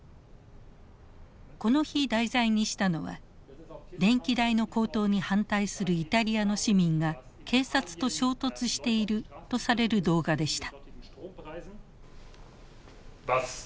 この日題材にしたのは電気代の高騰に反対するイタリアの市民が警察と衝突しているとされる動画でした。